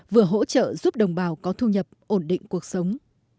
vừa hỗ trợ giúp đồng bào có thu nhập ổn định cuộc sống